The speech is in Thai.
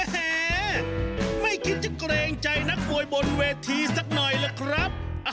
แหมไม่คิดจะเกรงใจนักมวยบนเวทีสักหน่อยล่ะครับ